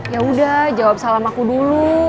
yaudah jawab salam aku dulu